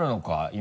今。